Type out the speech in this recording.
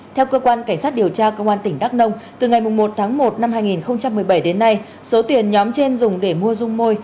theo cơ quan cảnh sát điều tra công an tỉnh đắk nông từ ngày một tháng một năm hai nghìn một mươi bảy đến nay số tiền nhóm trên dùng để mua dung môi